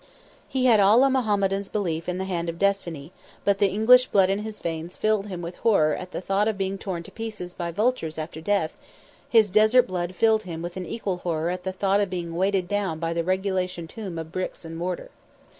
He had all a Mohammedan's belief in the hand of destiny, but the English blood in his veins filled him with horror at the thought of being torn to pieces by vultures after death; his desert blood filled him with an equal horror at the thought of being weighted down by the regulation tomb of bricks and mortar.